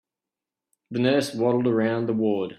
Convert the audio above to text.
The nurse waddled around the ward.